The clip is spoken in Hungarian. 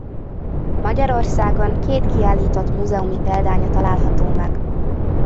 Magyarországon két kiállított múzeumi példánya található meg.